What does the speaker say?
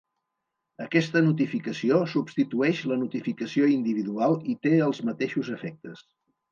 Aquesta notificació substitueix la notificació individual i té els mateixos efectes.